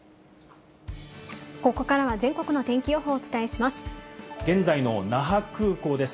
ここからは全国の天気予報をお伝えします。